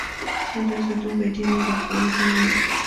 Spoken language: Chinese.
现在是东北电力的服务地域。